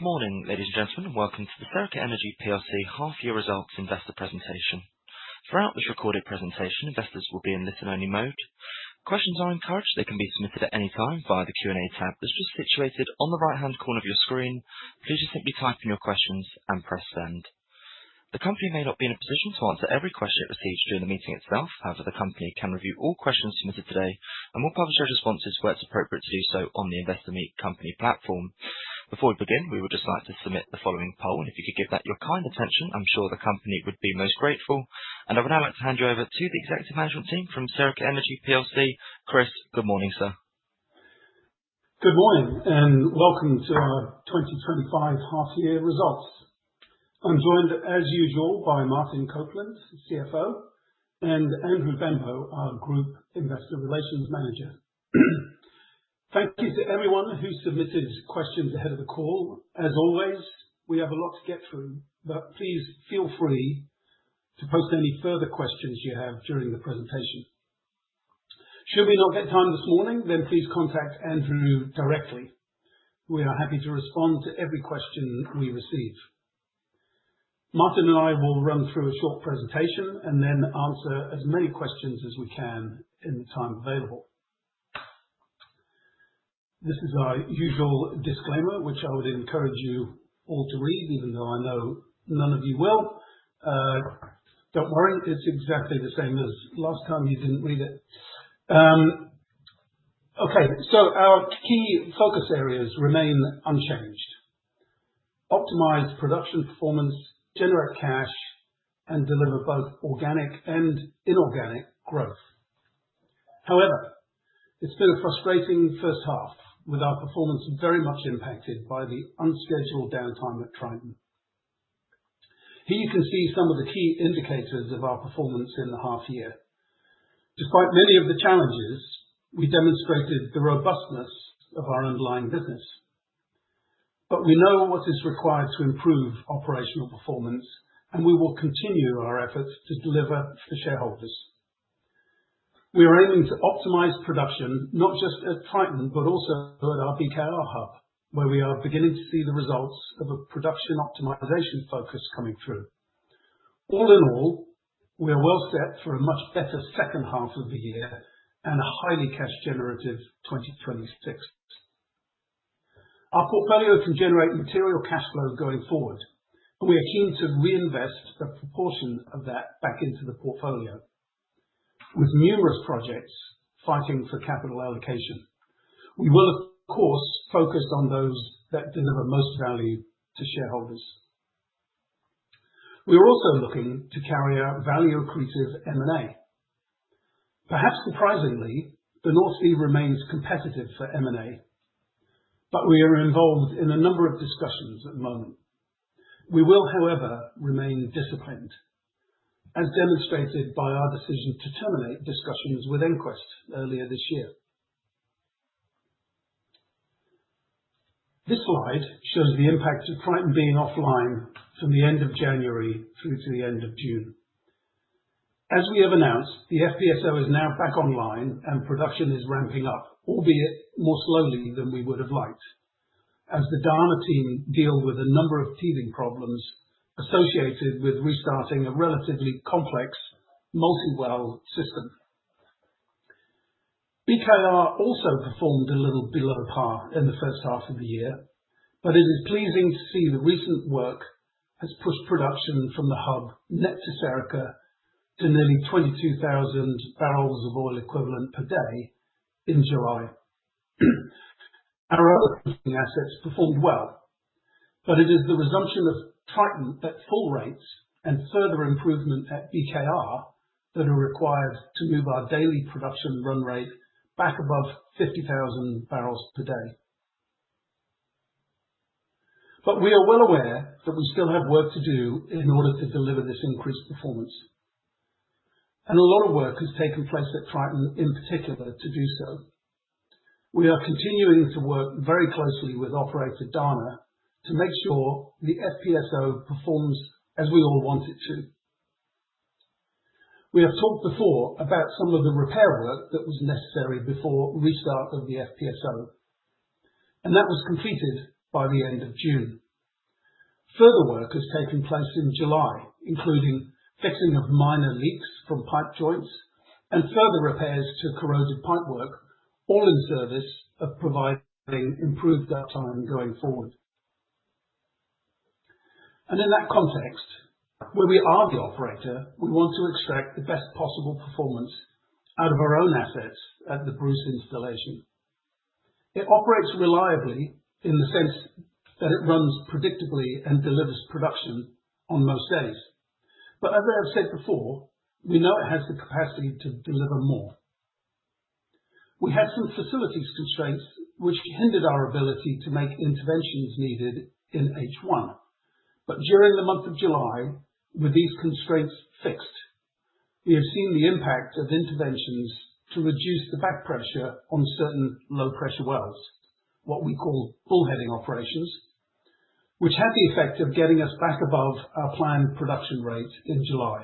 Good morning, ladies and gentlemen, and welcome to the Serica Energy plc half-year results investor presentation. Throughout this recorded presentation, investors will be in listen-only mode. Questions are encouraged. They can be submitted at any time via the Q&A tab that's just situated on the right-hand corner of your screen. Please just simply type in your questions and press Send. The company may not be in a position to answer every question it receives during the meeting itself. However, the company can review all questions submitted today and will publish their responses where it's appropriate to do so on the Investor Meet Company platform. Before we begin, we would just like to submit the following poll, and if you could give that your kind attention, I'm sure the company would be most grateful. I would now like to hand you over to the executive management team from Serica Energy plc. Chris, good morning, sir. Good morning, and welcome to our 2025 half year results. I'm joined, as usual, by Martin Copeland, CFO, and Andrew Benbow, our Group Investor Relations Manager. Thank you to everyone who submitted questions ahead of the call. As always, we have a lot to get through, but please feel free to post any further questions you have during the presentation. Should we not get time this morning, then please contact Andrew directly. We are happy to respond to every question we receive. Martin and I will run through a short presentation and then answer as many questions as we can in the time available. This is our usual disclaimer, which I would encourage you all to read, even though I know none of you will. Don't worry, it's exactly the same as last time you didn't read it. Okay. Our key focus areas remain unchanged. Optimized production performance, generate cash, and deliver both organic and inorganic growth. However, it's been a frustrating first half, with our performance very much impacted by the unscheduled downtime at Triton. Here you can see some of the key indicators of our performance in the half year. Despite many of the challenges, we demonstrated the robustness of our underlying business. We know what is required to improve operational performance, and we will continue our efforts to deliver to shareholders. We are aiming to optimize production not just at Triton, but also at our BKR hub, where we are beginning to see the results of a production optimization focus coming through. All in all, we are well set for a much better second half of the year and a highly cash generative 2026. Our portfolio can generate material cash flow going forward, and we are keen to reinvest a proportion of that back into the portfolio. With numerous projects fighting for capital allocation, we will of course focus on those that deliver most value to shareholders. We are also looking to carry out value accretive M&A. Perhaps surprisingly, the North Sea remains competitive for M&A, but we are involved in a number of discussions at the moment. We will, however, remain disciplined, as demonstrated by our decision to terminate discussions with EnQuest earlier this year. This slide shows the impact of Triton being offline from the end of January through to the end of June. As we have announced, the FPSO is now back online and production is ramping up, albeit more slowly than we would have liked as the Dana team deal with a number of teething problems associated with restarting a relatively complex multi-well system. BKR also performed a little below par in the first half of the year, but it is pleasing to see the recent work has pushed production from the hub net to Serica to nearly 22,000 barrels of oil equivalent per day in July. Our other assets performed well, but it is the resumption of Triton at full rates and further improvement at BKR that are required to move our daily production run rate back above 50,000 barrels per day. We are well aware that we still have work to do in order to deliver this increased performance, and a lot of work has taken place at Triton in particular to do so. We are continuing to work very closely with operator Dana to make sure the FPSO performs as we all want it to. We have talked before about some of the repair work that was necessary before restart of the FPSO, and that was completed by the end of June. Further work has taken place in July, including fixing of minor leaks from pipe joints and further repairs to corrosive pipework, all in service of providing improved uptime going forward. In that context, where we are the operator, we want to extract the best possible performance out of our own assets at the Bruce installation. It operates reliably in the sense that it runs predictably and delivers production on most days. As I have said before, we know it has the capacity to deliver more. We had some facilities constraints which hindered our ability to make interventions needed in H1, but during the month of July, with these constraints fixed, we have seen the impact of interventions to reduce the back pressure on certain low pressure wells, what we call bullheading operations, which had the effect of getting us back above our planned production rate in July.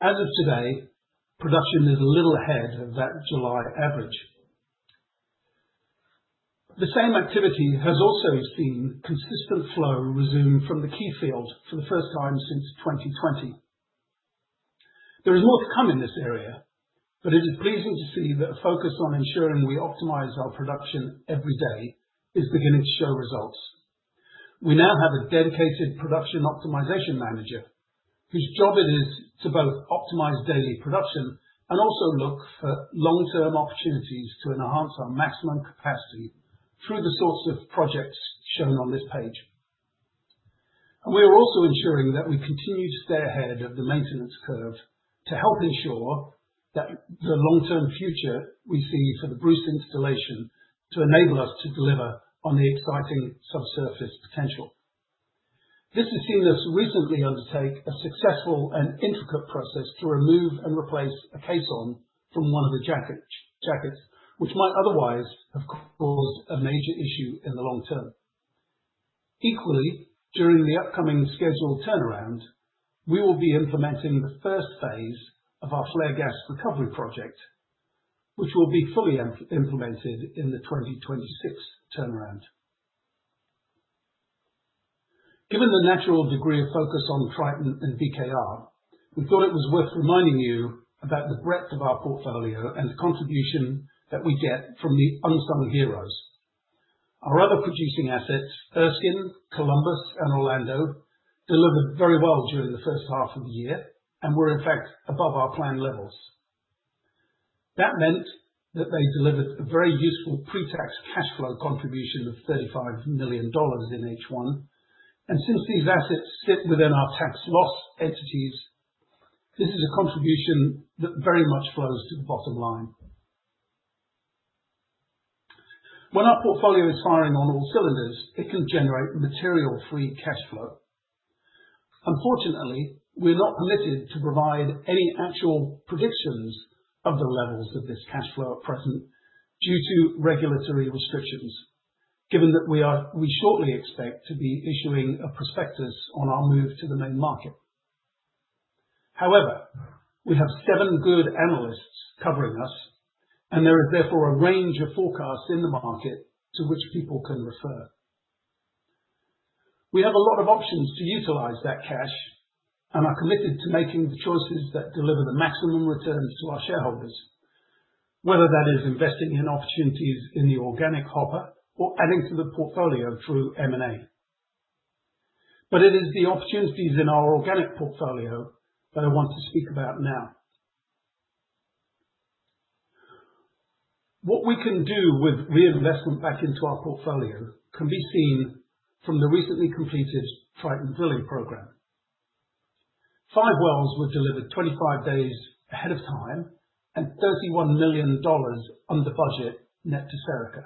As of today, production is a little ahead of that July average. The same activity has also seen consistent flow resume from the Keith field for the first time since 2020. There is more to come in this area, but it is pleasing to see that a focus on ensuring we optimize our production every day is beginning to show results. We now have a dedicated production optimization manager whose job it is to both optimize daily production and also look for long-term opportunities to enhance our maximum capacity through the sorts of projects shown on this page. We are also ensuring that we continue to stay ahead of the maintenance curve to help ensure that the long-term future we see for the Bruce installation to enable us to deliver on the exciting subsurface potential. This has seen us recently undertake a successful and intricate process to remove and replace a caisson from one of the jackets which might otherwise have caused a major issue in the long term. Equally, during the upcoming scheduled turnaround, we will be implementing the first phase of our flare gas recovery project, which will be fully implemented in the 2026 turnaround. Given the natural degree of focus on Triton and BKR, we thought it was worth reminding you about the breadth of our portfolio and the contribution that we get from the unsung heroes. Our other producing assets, Erskine, Columbus and Orlando, delivered very well during the first half of the year and were in fact above our planned levels. That meant that they delivered a very useful pre-tax cash flow contribution of $35 million in H1. Since these assets sit within our tax loss entities, this is a contribution that very much flows to the bottom line. When our portfolio is firing on all cylinders, it can generate material free cash flow. Unfortunately, we're not permitted to provide any actual predictions of the levels of this cash flow at present due to regulatory restrictions. Given that we shortly expect to be issuing a prospectus on our move to the main market. However, we have seven good analysts covering us and there is therefore a range of forecasts in the market to which people can refer. We have a lot of options to utilize that cash and are committed to making the choices that deliver the maximum returns to our shareholders, whether that is investing in opportunities in the organic hopper or adding to the portfolio through M&A. It is the opportunities in our organic portfolio that I want to speak about now. What we can do with reinvestment back into our portfolio can be seen from the recently completed Triton drilling program. 5 wells were delivered 25 days ahead of time and $31 million under budget net to Serica.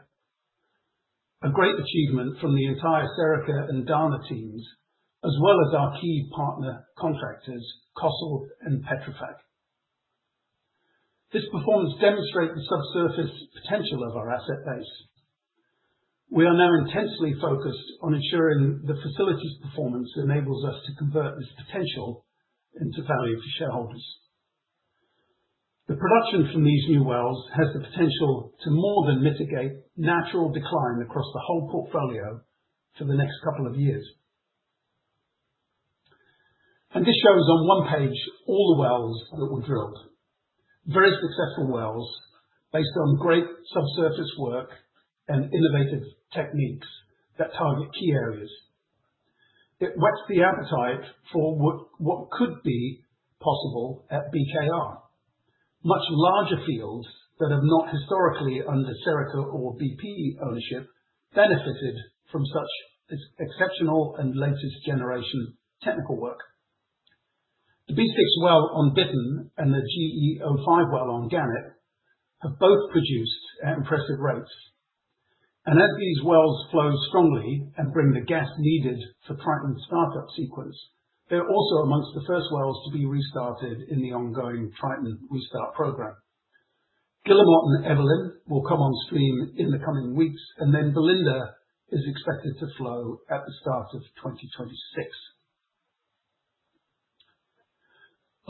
A great achievement from the entire Serica and Dana teams, as well as our key partner contractors, Costain and Petrofac. This performance demonstrate the subsurface potential of our asset base. We are now intensely focused on ensuring the facility's performance enables us to convert this potential into value for shareholders. The production from these new wells has the potential to more than mitigate natural decline across the whole portfolio for the next couple of years. This shows on one page all the wells that were drilled. Very successful wells based on great subsurface work and innovative techniques that target key areas. It whets the appetite for what could be possible at BKR. Much larger fields that have not historically, under Serica or BP ownership, benefited from such exceptional and latest generation technical work. The B6 well on Bittern and the GE-05 well on Gannet have both produced at impressive rates. As these wells flow strongly and bring the gas needed for Triton's startup sequence, they're also among the first wells to be restarted in the ongoing Triton restart program. Guillemot and Evelyn will come on stream in the coming weeks, and then Belinda is expected to flow at the start of 2026.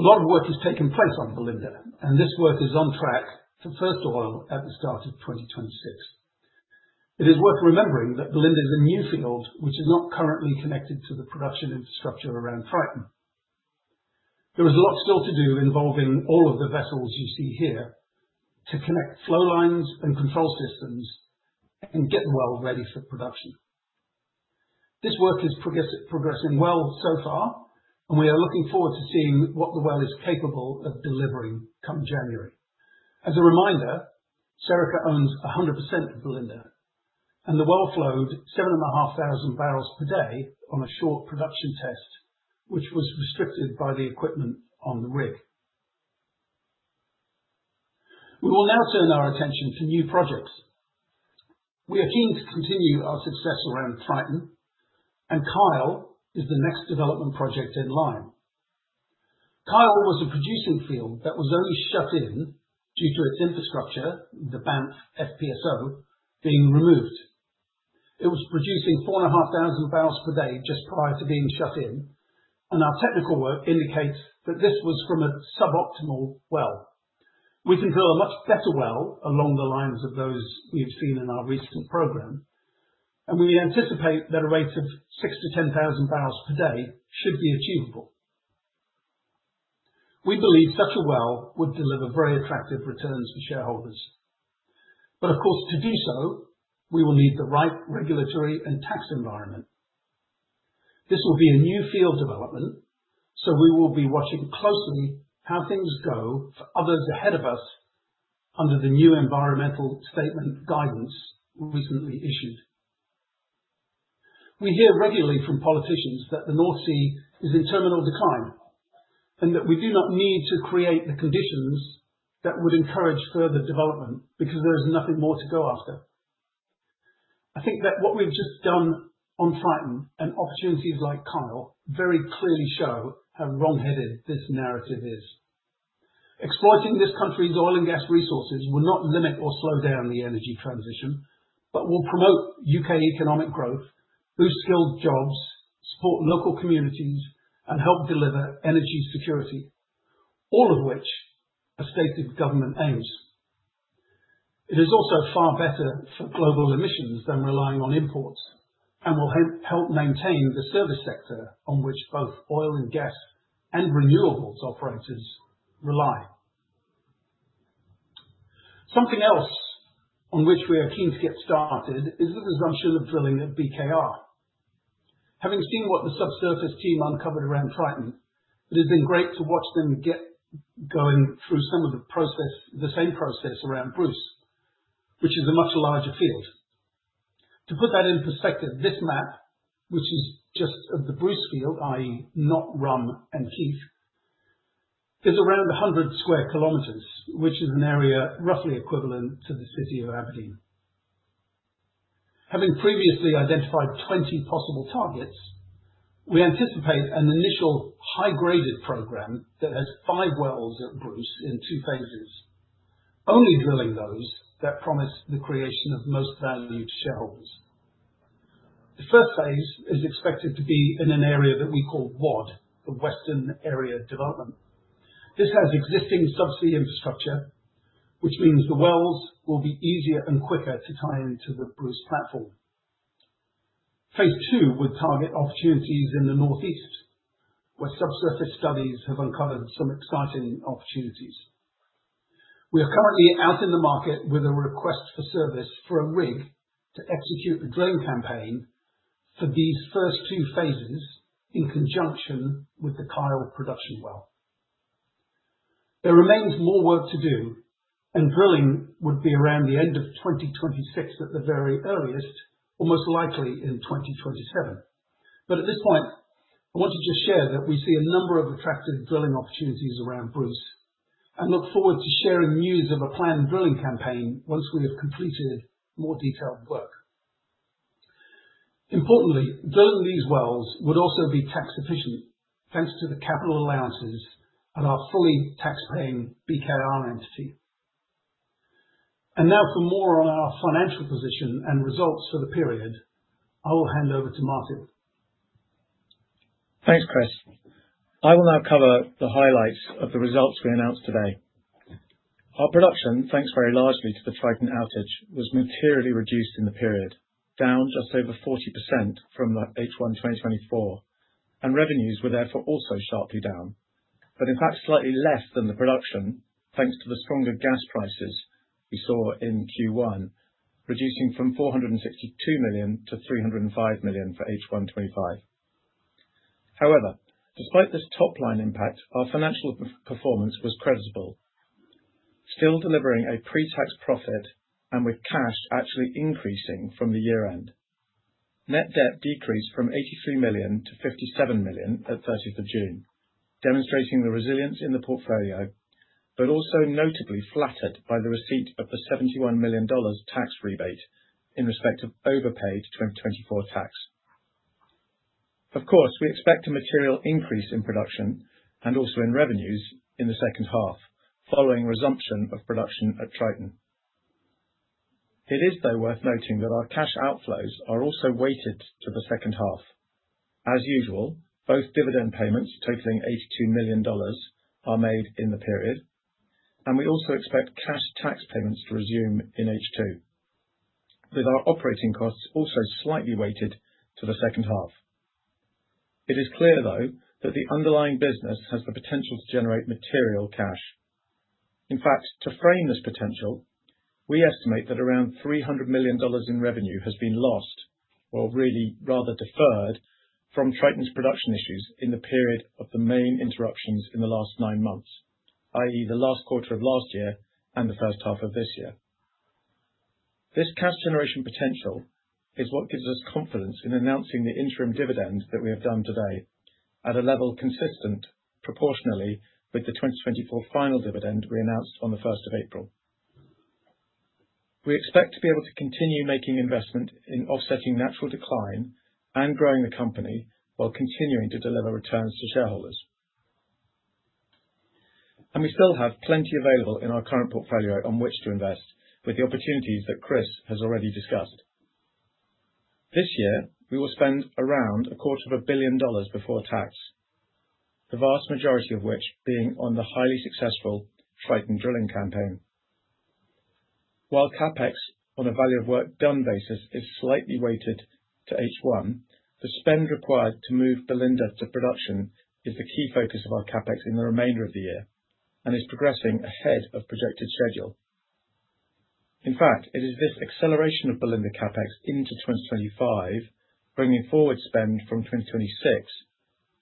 A lot of work has taken place on Belinda, and this work is on track for first oil at the start of 2026. It is worth remembering that Belinda is a new field which is not currently connected to the production infrastructure around Triton. There is a lot still to do involving all of the vessels you see here to connect flow lines and control systems and get the well ready for production. This work is progressing well so far, and we are looking forward to seeing what the well is capable of delivering come January. As a reminder, Serica owns 100% of Belinda and the well flowed 7,500 barrels per day on a short production test, which was restricted by the equipment on the rig. We will now turn our attention to new projects. We are keen to continue our success around Triton and Kyle is the next development project in line. Kyle was a producing field that was only shut in due to its infrastructure, the Banff FPSO, being removed. It was producing 4,500 barrels per day just prior to being shut in, and our technical work indicates that this was from a suboptimal well. We can drill a much better well along the lines of those we've seen in our recent program, and we anticipate that a rate of 6,000-10,000 barrels per day should be achievable. We believe such a well would deliver very attractive returns to shareholders, but of course, to do so, we will need the right regulatory and tax environment. This will be a new field development, so we will be watching closely how things go for others ahead of us under the new environmental statement guidance recently issued. We hear regularly from politicians that the North Sea is in terminal decline, and that we do not need to create the conditions that would encourage further development because there is nothing more to go after. I think that what we've just done on Triton and opportunities like Kyle very clearly show how wrong-headed this narrative is. Exploiting this country's oil and gas resources will not limit or slow down the energy transition, but will promote U.K. economic growth, boost skilled jobs, support local communities, and help deliver energy security, all of which are stated government aims. It is also far better for global emissions than relying on imports and will help maintain the service sector on which both oil and gas and renewables operators rely. Something else on which we are keen to get started is the resumption of drilling at BKR. Having seen what the subsurface team uncovered around Triton, it has been great to watch them get going through some of the process, the same process around Bruce, which is a much larger field. To put that in perspective, this map, which is just of the Bruce field, i.e., not Rhum and Keith, is around 100 sq km, which is an area roughly equivalent to the city of Aberdeen. Having previously identified 20 possible targets, we anticipate an initial high-graded program that has five wells at Bruce in two phases, only drilling those that promise the creation of most value to shareholders. The first phase is expected to be in an area that we call WAD, the Western Area Development. This has existing subsea infrastructure, which means the wells will be easier and quicker to tie into the Bruce platform. Phase two would target opportunities in the northeast, where subsurface studies have uncovered some exciting opportunities. We are currently out in the market with a request for service for a rig to execute the drilling campaign for these first two phases in conjunction with the Kyle Production Well. There remains more work to do, and drilling would be around the end of 2026 at the very earliest, or most likely in 2027. At this point, I want to just share that we see a number of attractive drilling opportunities around Bruce and look forward to sharing news of a planned drilling campaign once we have completed more detailed work. Importantly, drilling these wells would also be tax-efficient, thanks to the capital allowances of our fully tax-paying BKR entity. Now for more on our financial position and results for the period, I will hand over to Martin. Thanks, Chris. I will now cover the highlights of the results we announced today. Our production, thanks very largely to the Triton outage, was materially reduced in the period, down just over 40% from the H1 2024, and revenues were therefore also sharply down, but in fact slightly less than the production, thanks to the stronger gas prices we saw in Q1, reducing from 462 million to 305 million for H1 2025. However, despite this top-line impact, our financial performance was creditable, still delivering a pre-tax profit and with cash actually increasing from the year end. Net debt decreased from 83 million to 57 million at 30 June, demonstrating the resilience in the portfolio, but also notably flattered by the receipt of $71 million tax rebate in respect of overpaid 2024 tax. Of course, we expect a material increase in production and also in revenues in the second half, following resumption of production at Triton. It is, though, worth noting that our cash outflows are also weighted to the second half. As usual, both dividend payments totaling $82 million are made in the period, and we also expect cash tax payments to resume in H2, with our operating costs also slightly weighted to the second half. It is clear, though, that the underlying business has the potential to generate material cash. In fact, to frame this potential, we estimate that around $300 million in revenue has been lost, or really rather deferred, from Triton's production issues in the period of the main interruptions in the last 9 months, i.e., the last quarter of last year and the first half of this year. This cash generation potential is what gives us confidence in announcing the interim dividend that we have done today at a level consistent proportionally with the 2024 final dividend we announced on the first of April. We expect to be able to continue making investment in offsetting natural decline and growing the company while continuing to deliver returns to shareholders. We still have plenty available in our current portfolio on which to invest with the opportunities that Chris has already discussed. This year, we will spend around a quarter of a billion dollars before tax, the vast majority of which being on the highly successful Triton drilling campaign. While CapEx on a value of work done basis is slightly weighted to H1, the spend required to move Belinda to production is the key focus of our CapEx in the remainder of the year, and is progressing ahead of projected schedule. In fact, it is this acceleration of Belinda CapEx into 2025, bringing forward spend from 2026,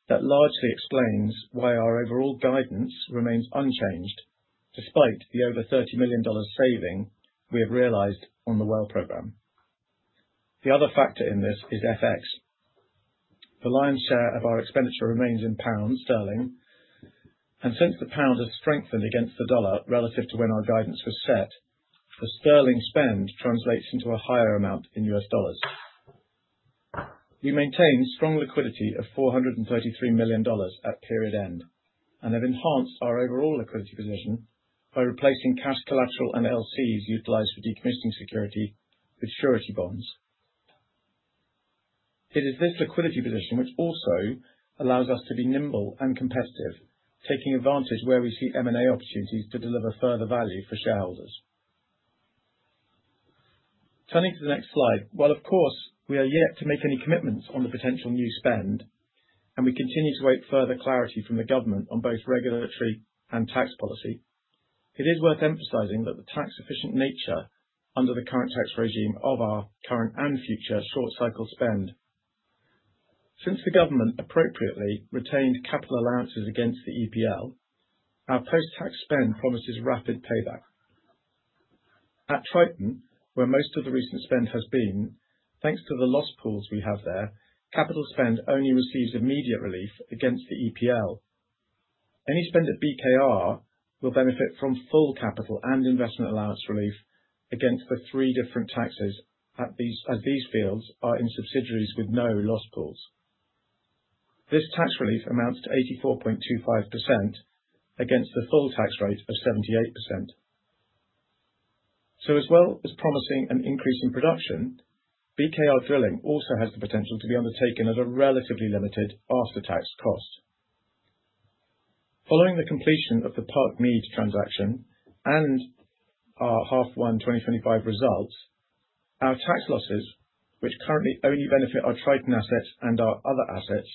that largely explains why our overall guidance remains unchanged despite the over $30 million saving we have realized on the well program. The other factor in this is FX. The lion's share of our expenditure remains in pounds sterling, and since the pound has strengthened against the dollar relative to when our guidance was set, the sterling spend translates into a higher amount in US dollars. We maintain strong liquidity of $433 million at period end, and have enhanced our overall liquidity position by replacing cash collateral and LCs utilized for decommissioning security with surety bonds. It is this liquidity position which also allows us to be nimble and competitive, taking advantage where we see M&A opportunities to deliver further value for shareholders. Turning to the next slide. While of course, we are yet to make any commitments on the potential new spend, and we continue to await further clarity from the government on both regulatory and tax policy, it is worth emphasizing that the tax-efficient nature under the current tax regime of our current and future short cycle spend. Since the government appropriately retained capital allowances against the EPL, our post-tax spend promises rapid payback. At Triton, where most of the recent spend has been, thanks to the loss pools we have there, capital spend only receives immediate relief against the EPL. Any spend at BKR will benefit from full capital and investment allowance relief against the three different taxes as these fields are in subsidiaries with no loss pools. This tax relief amounts to 84.25% against the full tax rate of 78%. As well as promising an increase in production, BKR drilling also has the potential to be undertaken at a relatively limited after-tax cost. Following the completion of the Parkmead transaction and our H1 2025 results, our tax losses, which currently only benefit our Triton assets and our other assets,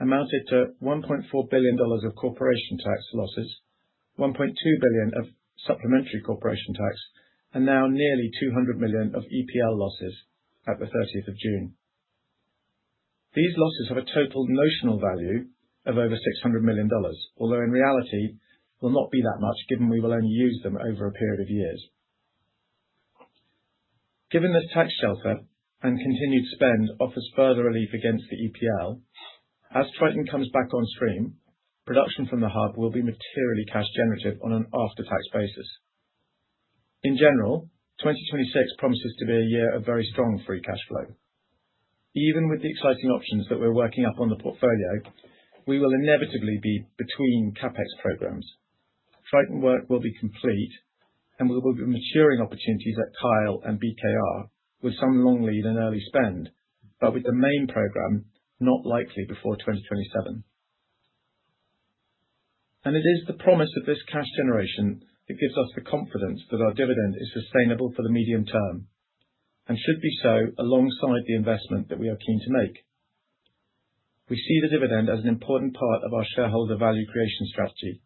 amounted to $1.4 billion of corporation tax losses, $1.2 billion of supplementary charge, and now nearly $200 million of EPL losses at the 30th of June. These losses have a total notional value of over $600 million, although in reality will not be that much given we will only use them over a period of years. Given this tax shelter and continued spend offers further relief against the EPL, as Triton comes back on stream, production from the hub will be materially cash generative on an after-tax basis. In general, 2026 promises to be a year of very strong free cash flow. Even with the exciting options that we're working up on the portfolio, we will inevitably be between CapEx programs. Triton work will be complete, and we will be maturing opportunities at Kyle and BKR with some long lead and early spend, but with the main program not likely before 2027. It is the promise of this cash generation that gives us the confidence that our dividend is sustainable for the medium term and should be so alongside the investment that we are keen to make. We see the dividend as an important part of our shareholder value creation strategy,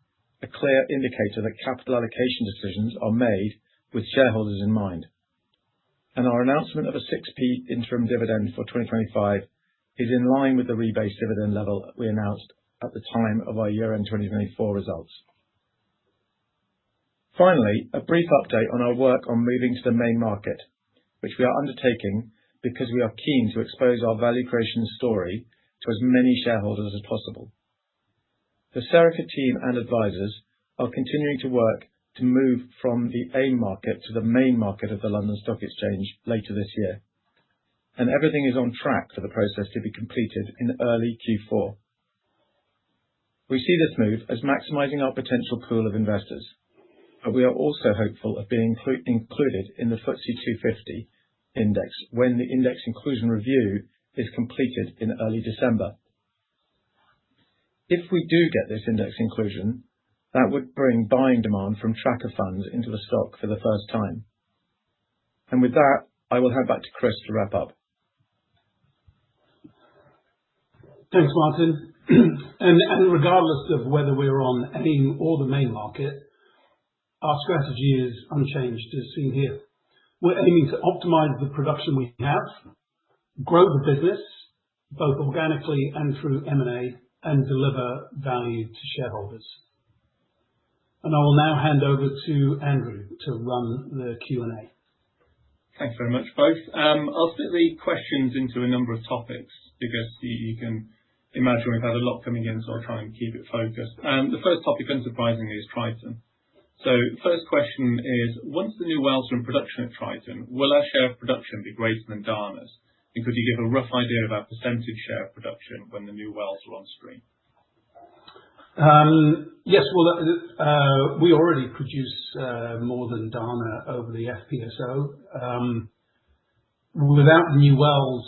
a clear indicator that capital allocation decisions are made with shareholders in mind. Our announcement of a 6p interim dividend for 2025 is in line with the rebased dividend level that we announced at the time of our year-end 2024 results. Finally, a brief update on our work on moving to the main market, which we are undertaking because we are keen to expose our value creation story to as many shareholders as possible. The Serica team and advisors are continuing to work to move from the AIM market to the main market of the London Stock Exchange later this year, and everything is on track for the process to be completed in early Q4. We see this move as maximizing our potential pool of investors, but we are also hopeful of being included in the FTSE 250 index when the index inclusion review is completed in early December. If we do get this index inclusion, that would bring buying demand from tracker funds into the stock for the first time. With that, I will hand back to Chris to wrap up. Thanks, Martin. Regardless of whether we're on the AIM or the main market, our strategy is unchanged as seen here. We're aiming to optimize the production we have, grow the business both organically and through M&A, and deliver value to shareholders. I will now hand over to Andrew to run the Q&A. Thanks very much both. I'll split the questions into a number of topics because you can imagine we've had a lot coming in, so I'll try and keep it focused. The first topic, unsurprisingly, is Triton. First question is, once the new wells are in production at Triton, will our share of production be greater than Dana's? Could you give a rough idea of our percentage share of production when the new wells are on stream? Yes. Well, we already produce more than Dana over the FPSO. Without new wells,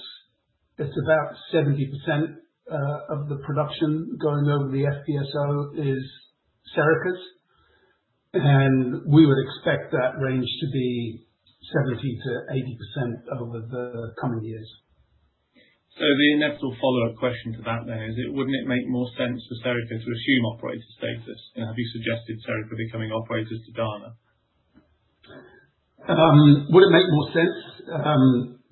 it's about 70% of the production going over the FPSO is Serica's, and we would expect that range to be 70%-80% over the coming years. The inevitable follow-up question to that then is, wouldn't it make more sense for Serica to assume operator status? Have you suggested Serica becoming operators to Dana? Would it make more sense?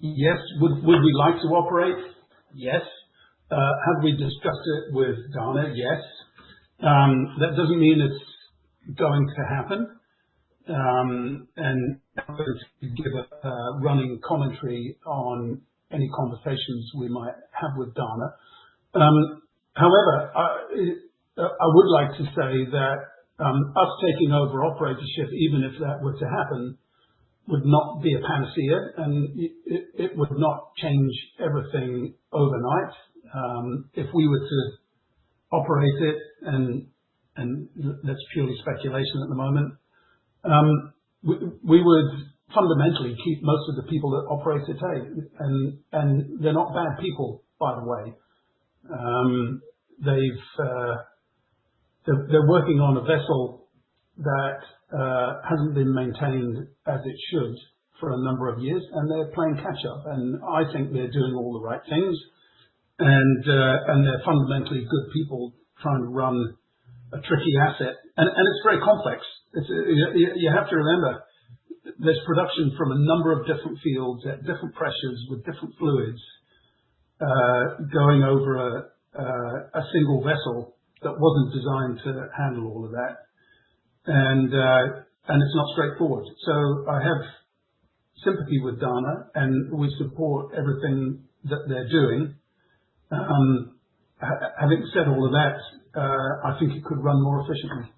Yes. Would we like to operate? Yes. Have we discussed it with Dana? Yes. That doesn't mean it's going to happen. I won't give a running commentary on any conversations we might have with Dana. However, I would like to say that us taking over operatorship, even if that were to happen, would not be a panacea, and it would not change everything overnight. If we were to operate it, and that's purely speculation at the moment, we would fundamentally keep most of the people that operate it today. They're not bad people, by the way. They're working on a vessel that hasn't been maintained as it should for a number of years, and they're playing catch up. I think they're doing all the right things, and they're fundamentally good people trying to run a tricky asset. It's very complex. You have to remember, there's production from a number of different fields at different pressures with different fluids, going over a single vessel that wasn't designed to handle all of that. It's not straightforward. I have sympathy with Dana, and we support everything that they're doing. Having said all of that, I think it could run more efficiently.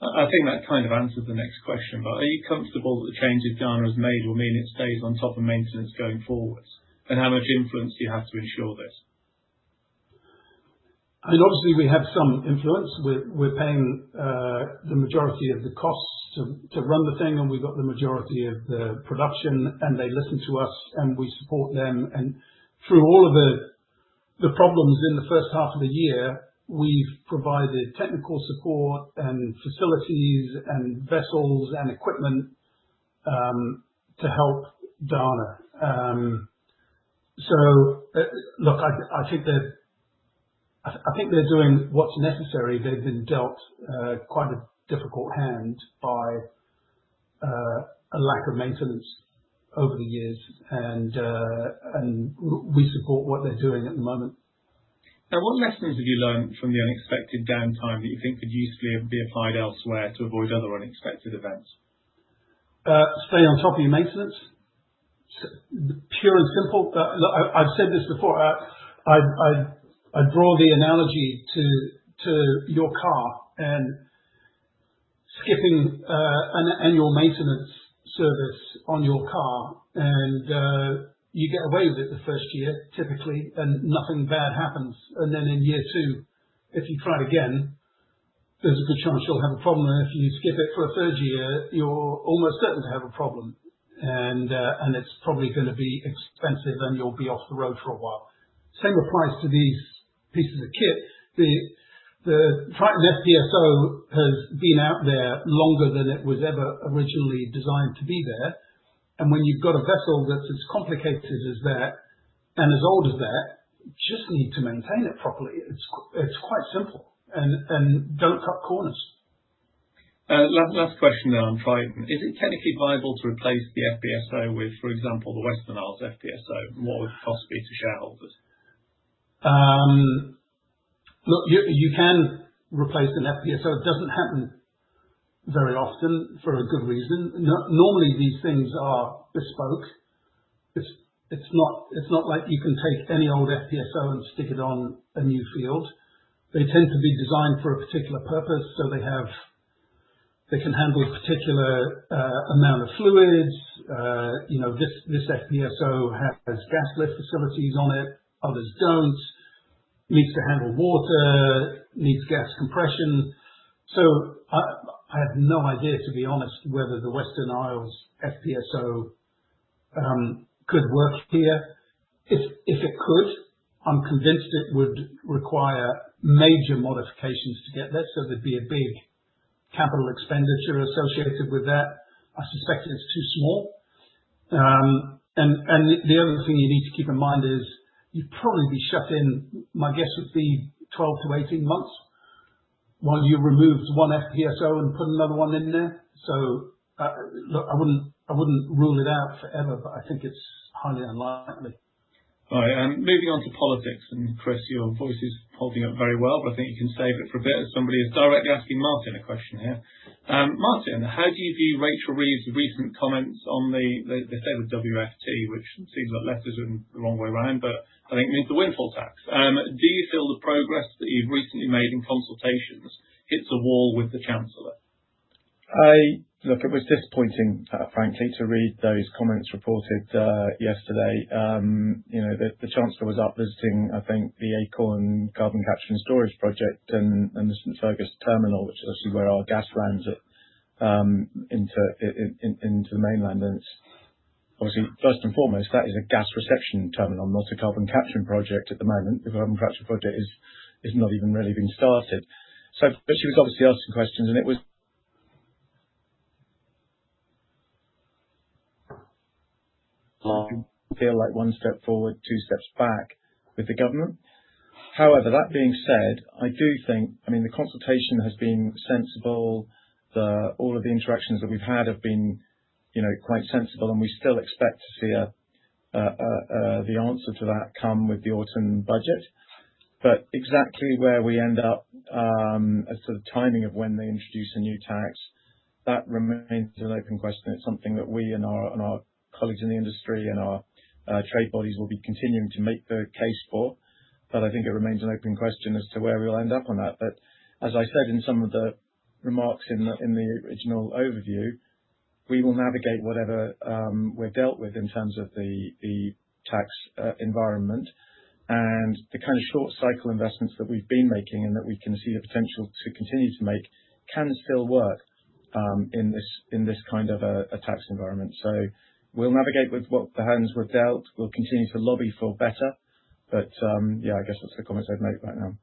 I think that kind of answers the next question. Are you comfortable that the changes Dana has made will mean it stays on top of maintenance going forwards? And how much influence do you have to ensure this? Obviously, we have some influence. We're paying the majority of the costs to run the thing, and we've got the majority of the production, and they listen to us, and we support them. Through all of the problems in the first half of the year, we've provided technical support and facilities and vessels and equipment to help Dana. Look, I think they're doing what's necessary. They've been dealt quite a difficult hand by a lack of maintenance over the years. We support what they're doing at the moment. Now, what lessons have you learned from the unexpected downtime that you think could usefully be applied elsewhere to avoid other unexpected events? Stay on top of your maintenance. Pure and simple. Look, I've said this before. I'd draw the analogy to your car and skipping an annual maintenance service on your car. You get away with it the first year, typically, and nothing bad happens. Then in year two, if you try again, there's a good chance you'll have a problem. If you skip it for a third year, you're almost certain to have a problem. It's probably gonna be expensive, and you'll be off the road for a while. Same applies to these pieces of kit. The Triton FPSO has been out there longer than it was ever originally designed to be there. When you've got a vessel that's as complicated as that and as old as that, you just need to maintain it properly. It's quite simple. Don't cut corners. Last question on Triton. Is it technically viable to replace the FPSO with, for example, the Western Isles FPSO? What would the cost be to shareholders? Look, you can replace an FPSO. It doesn't happen very often for a good reason. Normally these things are bespoke. It's not like you can take any old FPSO and stick it on a new field. They tend to be designed for a particular purpose, so they can handle a particular amount of fluids. You know, this FPSO has gas lift facilities on it, others don't. Needs to handle water, needs gas compression. So I have no idea, to be honest, whether the Western Isles FPSO could work here. If it could, I'm convinced it would require major modifications to get there, so there'd be a big capital expenditure associated with that. I suspect it's too small. The other thing you need to keep in mind is you'd probably be shut in. My guess would be 12-18 months while you remove one FPSO and put another one in there. Look, I wouldn't rule it out forever, but I think it's highly unlikely. All right. Moving on to politics. Chris, your voice is holding up very well, but I think you can save it for a bit, as somebody is directly asking Martin a question here. Martin, how do you view Rachel Reeves' recent comments on the, they say the WFT, which seems like letters in the wrong way around, but I think it means the windfall tax. Do you feel the progress that you've recently made in consultations hits a wall with the Chancellor? Look, it was disappointing, frankly, to read those comments reported, yesterday. You know, the Chancellor was out visiting, I think, the Acorn carbon capture and storage project and the St. Fergus terminal, which is obviously where our gas lands at, into the mainland. It's obviously, first and foremost, that is a gas reception terminal, not a carbon capture project at the moment. The carbon capture project is not even really been started. She was obviously asked some questions, and feel like one step forward, two steps back with the government. However, that being said, I do think, I mean, the consultation has been sensible. All of the interactions that we've had have been, you know, quite sensible, and we still expect to see the answer to that come with the autumn budget. Exactly where we end up, as to the timing of when they introduce a new tax, that remains an open question. It's something that we and our colleagues in the industry and our trade bodies will be continuing to make the case for. I think it remains an open question as to where we'll end up on that. As I said in some of the remarks in the original overview, we will navigate whatever we're dealt with in terms of the tax environment. The kind of short cycle investments that we've been making and that we can see the potential to continue to make can still work in this kind of a tax environment. We'll navigate with the hands we're dealt. We'll continue to lobby for better. Yeah, I guess that's the comments I'd make right now.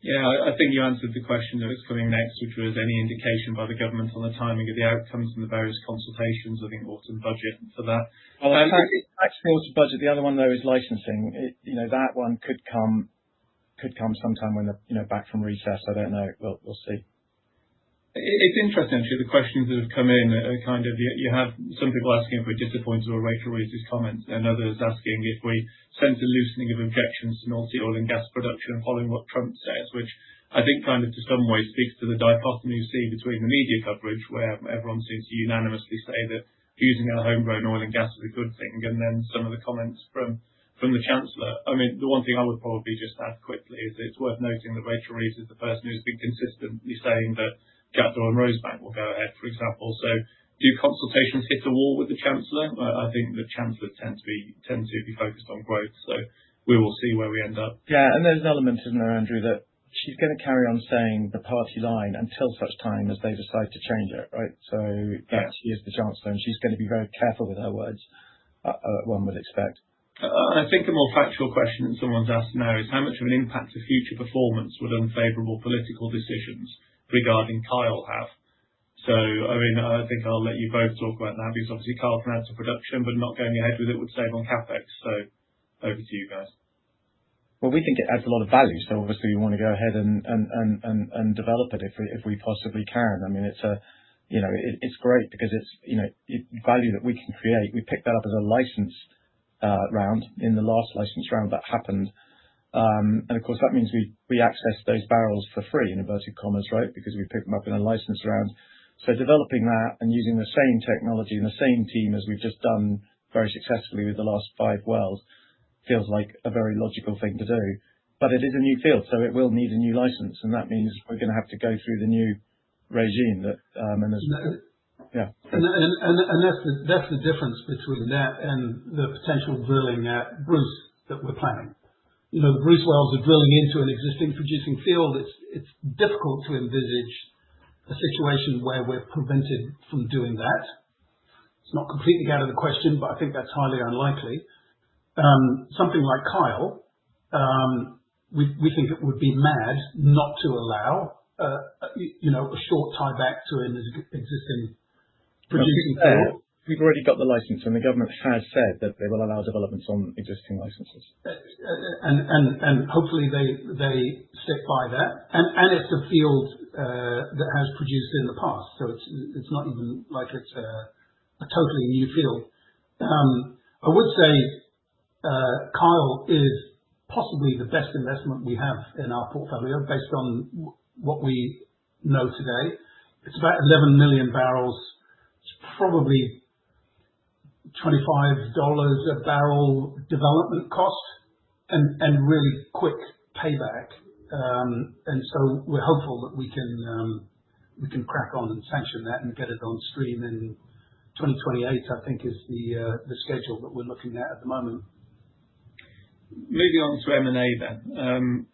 Yeah. I think you answered the question that was coming next, which was any indication by the government on the timing of the outcomes from the various consultations of the autumn budget for that. Well, that's actually Autumn Budget. The other one, though, is licensing. It, you know, that one could come sometime when they're, you know, back from recess. I don't know. We'll see. It's interesting, actually, the questions that have come in are kind of, you have some people asking if we're disappointed with Rachel Reeves' comments and others asking if we sense a loosening of objections to North Sea oil and gas production following what Trump says, which I think kind of, to some way, speaks to the dichotomy you see between the media coverage, where everyone seems to unanimously say that using our homegrown oil and gas is a good thing, and then some of the comments from the Chancellor. I mean, the one thing I would probably just add quickly is it's worth noting that Rachel Reeves is the person who's been consistently saying that Jackdaw and Rosebank will go ahead, for example. Do consultations hit a wall with the Chancellor? I think the Chancellor tends to be focused on growth, so we will see where we end up. Yeah. There's an element, isn't there, Andrew, that she's gonna carry on saying the party line until such time as they decide to change it, right? So that she is the Chancellor, and she's gonna be very careful with her words, one would expect. I think the more factual question someone's asked now is how much of an impact to future performance would unfavorable political decisions regarding Kyle have? I mean, I think I'll let you both talk about that because obviously Kyle can add to production, but not going ahead with it would save on CapEx. Over to you guys. Well, we think it adds a lot of value, so obviously we wanna go ahead and develop it if we possibly can. I mean, it's great because it's, you know, a value that we can create. We picked that up as a license round in the last license round that happened. And of course, that means we access those barrels for free, inverted commas, right? Because we pick them up in a license round. Developing that and using the same technology and the same team as we've just done very successfully with the last five wells feels like a very logical thing to do. But it is a new field, so it will need a new license, and that means we're gonna have to go through the new regime that, and there's. No. Yeah. That's the difference between that and the potential drilling at Bruce that we're planning. You know, Bruce wells are drilling into an existing producing field. It's difficult to envisage a situation where we're prevented from doing that. It's not completely out of the question, but I think that's highly unlikely. Something like Kyle, we think it would be mad not to allow, you know, a short tieback to an existing producing field. We've already got the license, and the government has said that they will allow developments on existing licenses. Hopefully they stick by that. It's a field that has produced in the past, so it's not even like it's a totally new field. I would say Kyle is possibly the best investment we have in our portfolio based on what we know today. It's about 11 million barrels. It's probably $25 a barrel development cost and really quick payback. We're hopeful that we can crack on and sanction that and get it on stream in 2028, I think is the schedule that we're looking at at the moment. Moving on to M&A then.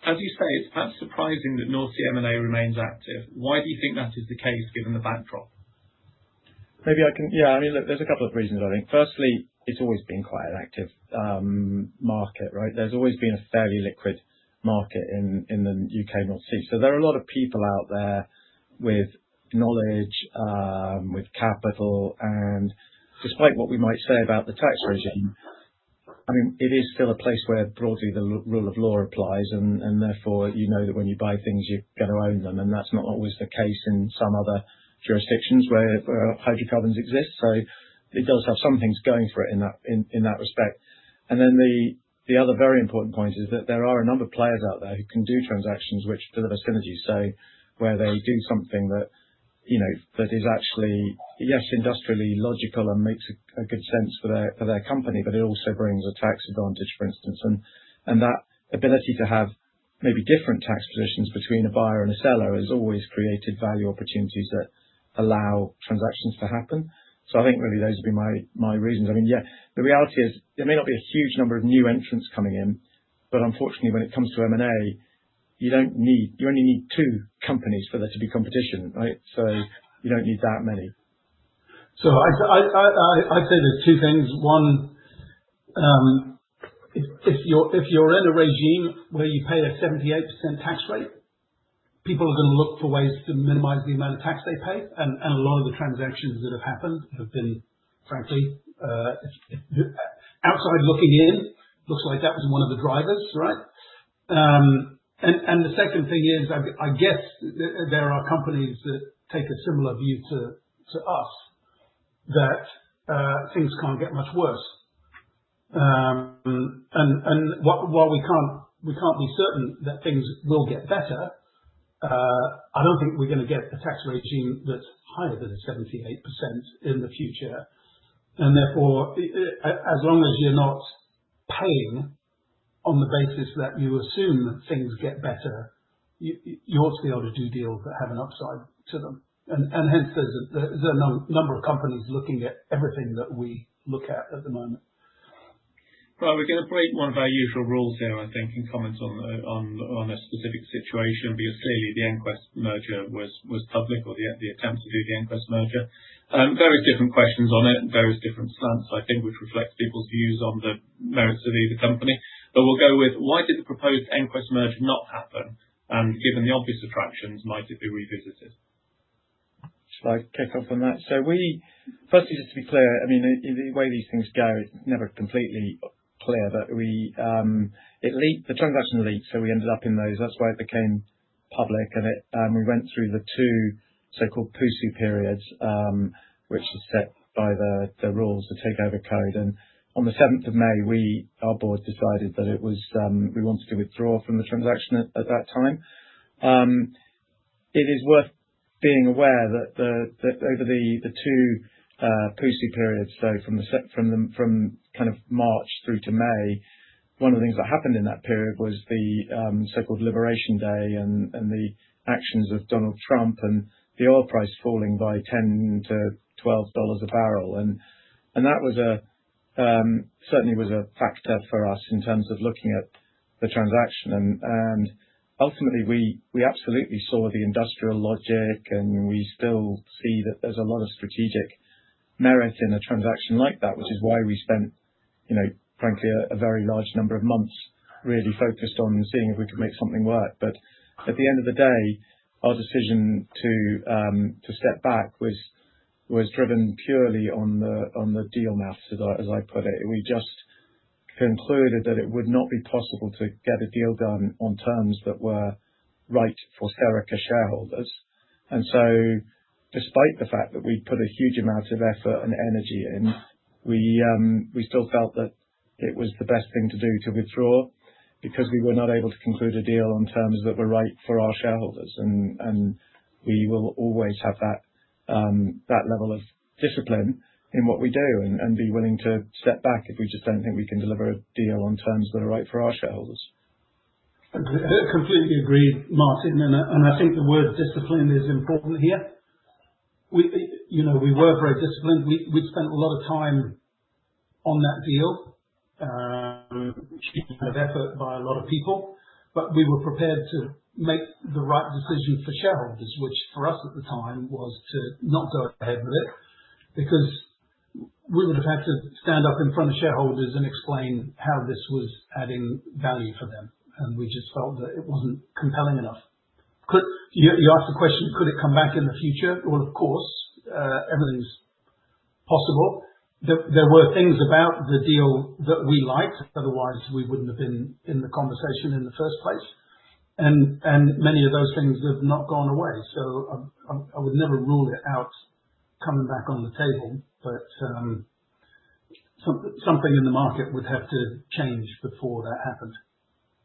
As you say, it's perhaps surprising that North Sea M&A remains active. Why do you think that is the case given the backdrop? Yeah. I mean, look, there's a couple of reasons I think. Firstly, it's always been quite an active market, right? There's always been a fairly liquid market in the U.K. North Sea. So there are a lot of people out there with knowledge, with capital. Despite what we might say about the tax regime, I mean, it is still a place where broadly the rule of law applies and therefore you know that when you buy things you're gonna own them, and that's not always the case in some other jurisdictions where hydrocarbons exist. So it does have some things going for it in that respect. The other very important point is that there are a number of players out there who can do transactions which deliver synergy. Where they do something that, you know, that is actually, yes, industrially logical and makes a good sense for their company, but it also brings a tax advantage, for instance. That ability to have maybe different tax positions between a buyer and a seller has always created value opportunities that allow transactions to happen. I think really those would be my reasons. I mean, yeah, the reality is there may not be a huge number of new entrants coming in, but unfortunately when it comes to M&A, you don't need, you only need two companies for there to be competition, right? You don't need that many. I'd say there's two things. One, if you're in a regime where you pay a 78% tax rate, people are gonna look for ways to minimize the amount of tax they pay. A lot of the transactions that have happened have been frankly outside looking in, looks like that was one of the drivers, right? The second thing is, I guess there are companies that take a similar view to us that things can't get much worse. While we can't be certain that things will get better, I don't think we're gonna get a tax regime that's higher than the 78% in the future. Therefore, as long as you're not paying on the basis that you assume that things get better, you ought to be able to do deals that have an upside to them. Hence there's a number of companies looking at everything that we look at at the moment. Well, we're gonna break one of our usual rules here, I think, and comment on a specific situation, because clearly the EnQuest merger was public or the attempt to do the EnQuest merger. Various different questions on it and various different slants, I think, which reflects people's views on the merits of either company. We'll go with, why did the proposed EnQuest merger not happen? And given the obvious attractions, might it be revisited? Should I kick off on that? Firstly, just to be clear, I mean, the way these things go, it's never completely clear, but it leaked. The transaction leaked, so we ended up in those. That's why it became public and we went through the two so-called PUSU periods, which are set by the rules of the Takeover Code. On the seventh of May, our board decided that we wanted to withdraw from the transaction at that time. It is worth being aware that over the two PUSU periods, so from kind of March through to May, one of the things that happened in that period was the so-called Liberation Day and the actions of Donald Trump and the oil price falling by $10-$12 a barrel. That was certainly a factor for us in terms of looking at the transaction. Ultimately, we absolutely saw the industrial logic, and we still see that there is a lot of strategic merit in a transaction like that, which is why we spent, you know, frankly, a very large number of months really focused on seeing if we could make something work. At the end of the day, our decision to step back was driven purely on the deal maths, as I put it. We just concluded that it would not be possible to get a deal done on terms that were right for Serica shareholders. Despite the fact that we'd put a huge amount of effort and energy in, we still felt that it was the best thing to do to withdraw because we were not able to conclude a deal on terms that were right for our shareholders. We will always have that level of discipline in what we do and be willing to step back if we just don't think we can deliver a deal on terms that are right for our shareholders. I completely agree, Martin. I think the word discipline is important here. You know, we were very disciplined. We spent a lot of time on that deal, a huge amount of effort by a lot of people, but we were prepared to make the right decision for shareholders, which for us at the time was to not go ahead with it, because we would have had to stand up in front of shareholders and explain how this was adding value for them. We just felt that it wasn't compelling enough. You asked the question, could it come back in the future? Well, of course, everything's possible. There were things about the deal that we liked, otherwise we wouldn't have been in the conversation in the first place. Many of those things have not gone away. I would never rule it out coming back on the table. Something in the market would have to change before that happened.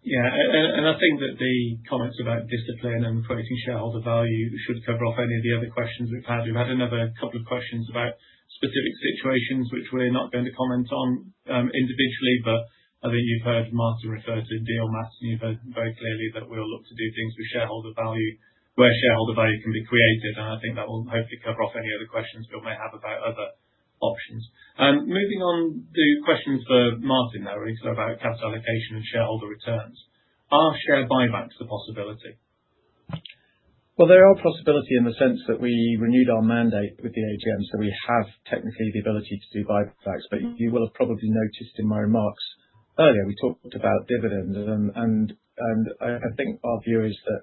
I think that the comments about discipline and focusing shareholder value should cover off any of the other questions we've had. We've had another couple of questions about specific situations which we're not going to comment on, individually, but I think you've heard Martin refer to deal math, and you've heard very clearly that we'll look to do things for shareholder value where shareholder value can be created. I think that will hopefully cover off any other questions people may have about other options. Moving on to questions for Martin now, really, so about capital allocation and shareholder returns. Are share buybacks a possibility? Well, they are a possibility in the sense that we renewed our mandate with the AGM, so we have technically the ability to do buybacks. You will have probably noticed in my remarks earlier, we talked about dividends and I think our view is that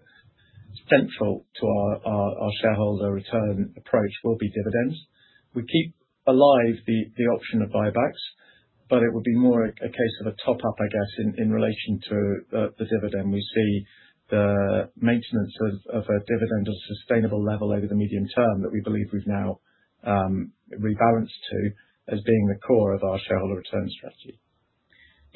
central to our shareholder return approach will be dividends. We keep alive the option of buybacks, but it would be more a case of a top-up, I guess, in relation to the dividend. We see the maintenance of a dividend at a sustainable level over the medium term that we believe we've now rebalance to as being the core of our shareholder return strategy.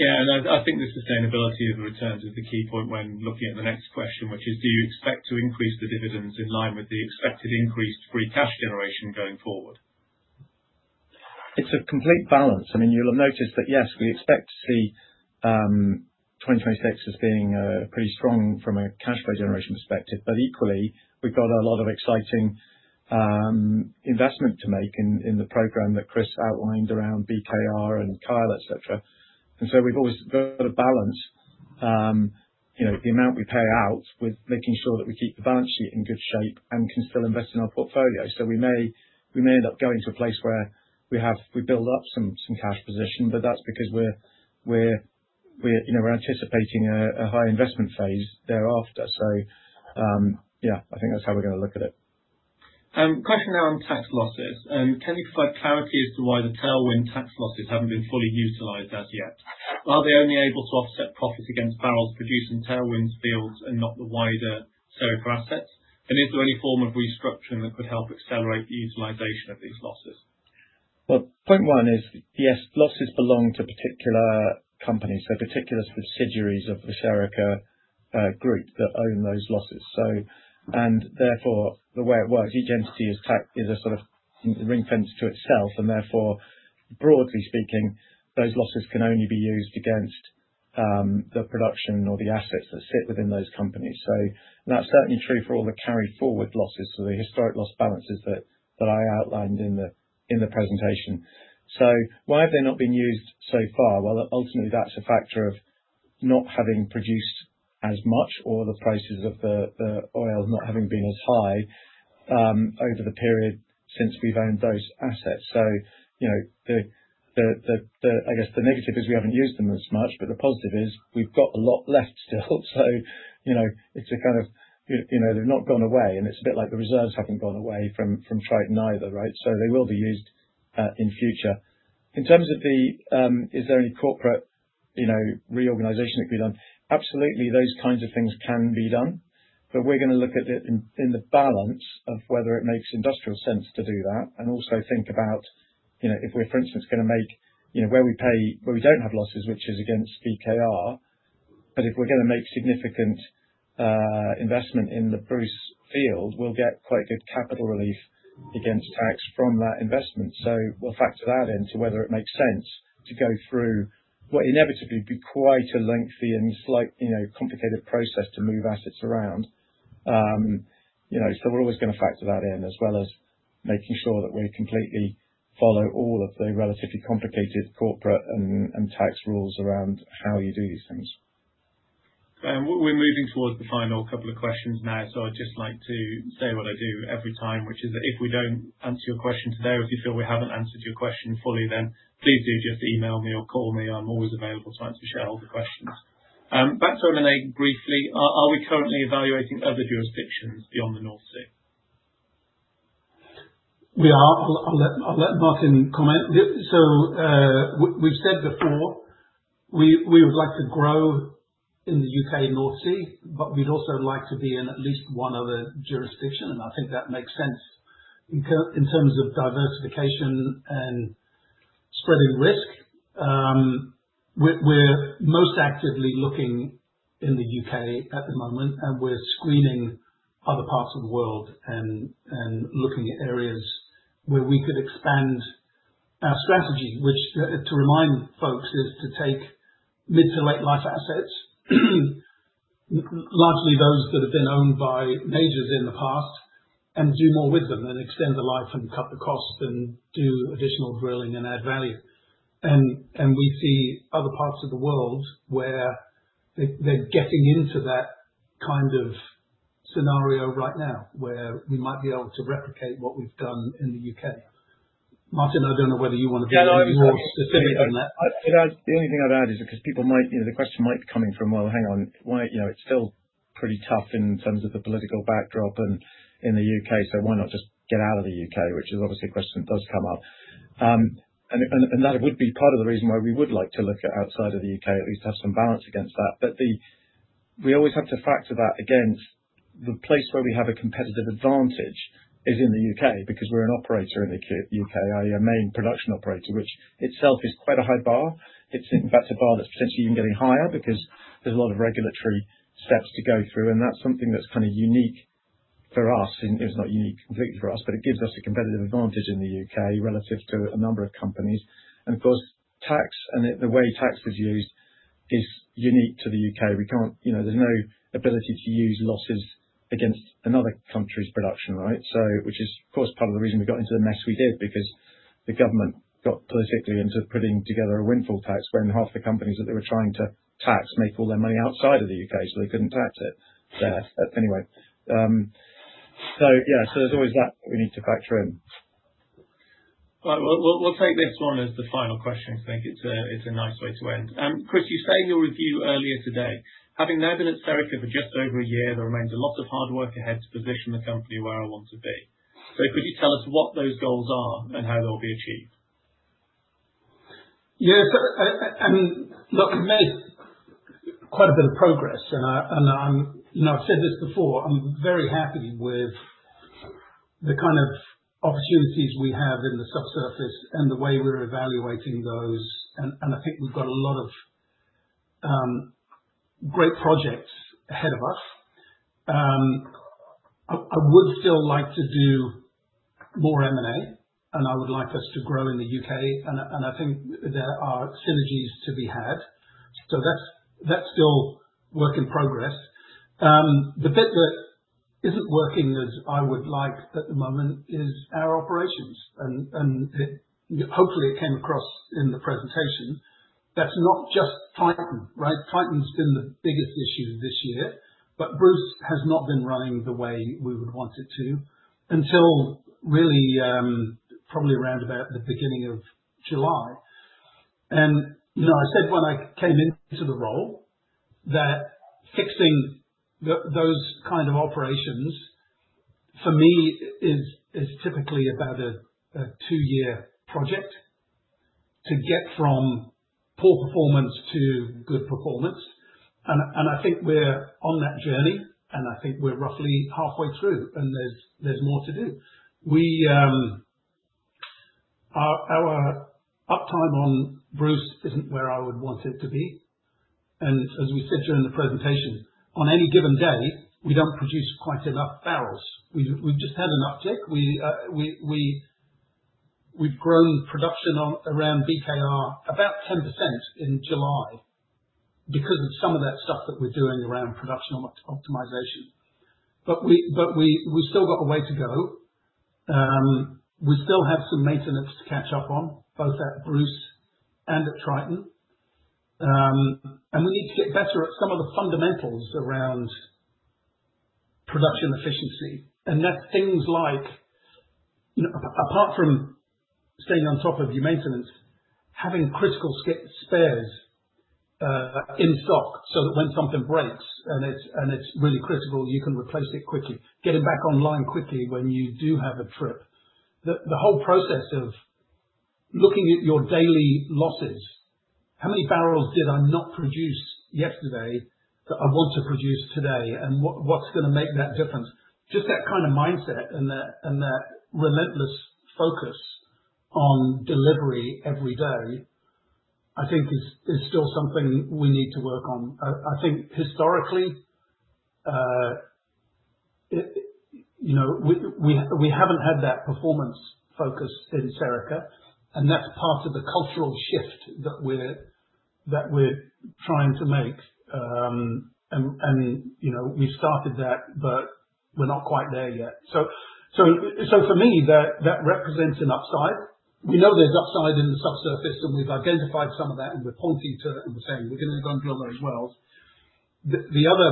Yeah, I think the sustainability of the returns is the key point when looking at the next question, which is: Do you expect to increase the dividends in line with the expected increased free cash generation going forward? It's a complete balance. I mean, you'll have noticed that, yes, we expect to see 2026 as being pretty strong from a cash flow generation perspective. Equally, we've got a lot of exciting investment to make in the program that Chris outlined around BKR and Kyle, et cetera. We've always got to balance you know the amount we pay out with making sure that we keep the balance sheet in good shape and can still invest in our portfolio. We may end up going to a place where we build up some cash position, but that's because we're you know we're anticipating a high investment phase thereafter. Yeah, I think that's how we're gonna look at it. Question now on tax losses. Can you provide clarity as to why the Tailwind tax losses haven't been fully utilized as yet? Are they only able to offset profits against barrels produced in Tailwind fields and not the wider Serica assets? Is there any form of restructuring that could help accelerate the utilization of these losses? Well, point one is, yes, losses belong to particular companies. Particular subsidiaries of the Serica group that own those losses. Therefore, the way it works, each entity is a sort of ring-fenced to itself, and therefore, broadly speaking, those losses can only be used against the production or the assets that sit within those companies. That's certainly true for all the carried forward losses. The historic loss balances that I outlined in the presentation. Why have they not been used so far? Well, ultimately that's a factor of not having produced as much or the prices of the oil not having been as high over the period since we've owned those assets. You know, I guess the negative is we haven't used them as much, but the positive is we've got a lot left still. You know, it's a kind of, you know, they've not gone away, and it's a bit like the reserves haven't gone away from Triton either, right? They will be used in future. In terms of the, is there any corporate, you know, reorganization that can be done? Absolutely, those kinds of things can be done, but we're gonna look at it in the balance of whether it makes industrial sense to do that. Also think about, you know, if we're, for instance, gonna make, you know, where we pay, where we don't have losses, which is against BKR. But if we're gonna make significant investment in the Bruce field, we'll get quite good capital relief against tax from that investment. We'll factor that into whether it makes sense to go through what inevitably be quite a lengthy and slightly, you know, complicated process to move assets around. You know, we're always gonna factor that in, as well as making sure that we completely follow all of the relatively complicated corporate and tax rules around how you do these things. We're moving towards the final couple of questions now. I'd just like to say what I do every time, which is if we don't answer your question today or if you feel we haven't answered your question fully, then please do just email me or call me. I'm always available to answer shareholder questions. Back to M&A briefly. Are we currently evaluating other jurisdictions beyond the North Sea? We are. I'll let Martin comment. We've said before, we would like to grow in the U.K. North Sea, but we'd also like to be in at least one other jurisdiction, and I think that makes sense in terms of diversification and spreading risk. We're most actively looking in the U.K. at the moment, and we're screening other parts of the world and looking at areas where we could expand our strategy. Which, to remind folks, is to take mid to late life assets, largely those that have been owned by majors in the past and do more with them and extend the life and cut the cost and do additional drilling and add value. We see other parts of the world where they're getting into that kind of scenario right now, where we might be able to replicate what we've done in the U.K. Martin, I don't know whether you want to give any more specifics on that. Yeah, no. The only thing I'd add is because people might, you know, the question might be coming from, "Well, hang on. Why?" You know, it's still pretty tough in terms of the political backdrop and in the U.K. "So why not just get out of the U.K.?" Which is obviously a question that does come up. That would be part of the reason why we would like to look at outside of the U.K., at least have some balance against that. We always have to factor that against the place where we have a competitive advantage is in the U.K. because we're an operator in the U.K., a main production operator, which itself is quite a high bar. It's in fact a bar that's potentially even getting higher because there's a lot of regulatory steps to go through, and that's something that's kind of unique for us. It's not unique completely for us, but it gives us a competitive advantage in the U.K. relative to a number of companies. Of course, tax and the way tax is used is unique to the U.K. We can't, you know, there's no ability to use losses against another country's production, right? Which is of course part of the reason we got into the mess we did because the government got politically into putting together a windfall tax when half the companies that they were trying to tax make all their money outside of the U.K., so they couldn't tax it. Anyway. Yeah. There's always that we need to factor in. All right. We'll take this one as the final question because I think it's a nice way to end. Chris, you say in your review earlier today, "Having now been at Serica for just over a year, there remains a lot of hard work ahead to position the company where I want to be." Could you tell us what those goals are and how they will be achieved? Yes. I mean, look, we've made quite a bit of progress and I'm, you know, I've said this before, I'm very happy with the kind of opportunities we have in the subsurface and the way we're evaluating those. I think we've got a lot of great projects ahead of us. I would still like to do more M&A, and I would like us to grow in the U.K. and I think there are synergies to be had. That's still work in progress. The bit that isn't working as I would like at the moment is our operations and hopefully it came across in the presentation. That's not just Triton, right? Triton's been the biggest issue this year, but Bruce has not been running the way we would want it to until really, probably around about the beginning of July. You know, I said when I came into the role that fixing those kind of operations for me is typically about a two-year project to get from poor performance to good performance. I think we're on that journey, and I think we're roughly halfway through, and there's more to do. Our uptime on Bruce isn't where I would want it to be. As we said during the presentation, on any given day, we don't produce quite enough barrels. We've just had an uptick. We've grown production on around BKR about 10% in July because of some of that stuff that we're doing around production optimization. We've still got a way to go. We still have some maintenance to catch up on both at Bruce and at Triton. We need to get better at some of the fundamentals around production efficiency. That's things like, you know, apart from staying on top of your maintenance, having critical skip spares in stock so that when something breaks and it's really critical, you can replace it quickly, get it back online quickly when you do have a trip. The whole process of looking at your daily losses. How many barrels did I not produce yesterday that I want to produce today? What's gonna make that difference? Just that kind of mindset and that relentless focus on delivery every day, I think is still something we need to work on. I think historically, you know, we haven't had that performance focus in Serica, and that's part of the cultural shift that we're trying to make. You know, we've started that, but we're not quite there yet. For me, that represents an upside. We know there's upside in the subsurface, and we've identified some of that and we're pointing to it and we're saying we're gonna go and drill those wells. The other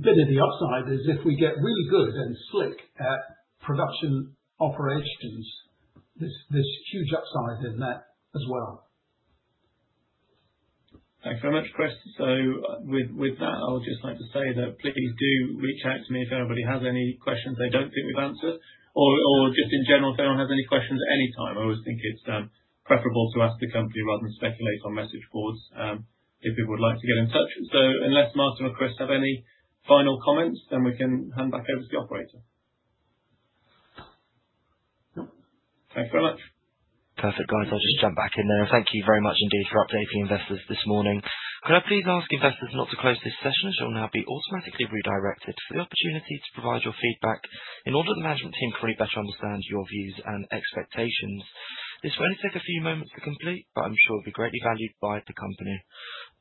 bit of the upside is if we get really good and slick at production operations. There's huge upside in that as well. Thanks very much, Chris. With that, I would just like to say that please do reach out to me if anybody has any questions they don't think we've answered or just in general if anyone has any questions at any time. I always think it's preferable to ask the company rather than speculate on message boards if people would like to get in touch. Unless Martin or Chris have any final comments, then we can hand back over to the operator. No. Thanks very much. Perfect. Guys, I'll just jump back in there. Thank you very much indeed for updating investors this morning. Could I please ask investors not to close this session, as you'll now be automatically redirected for the opportunity to provide your feedback in order that the management team can better understand your views and expectations. This will only take a few moments to complete, but I'm sure it'll be greatly valued by the company.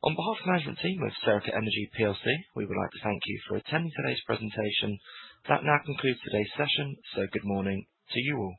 On behalf of management team with Serica Energy PLC, we would like to thank you for attending today's presentation. That now concludes today's session. Good morning to you all.